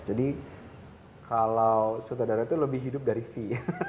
jadi kalau sutradara itu lebih hidup dari fee